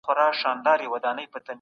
انلاين درس د وخت سپما کي مرسته کوي.